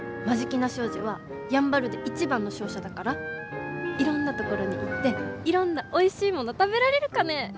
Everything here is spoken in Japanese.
眞境名商事はやんばるで一番の商社だからいろんなところに行っていろんなおいしいもの食べられるかね。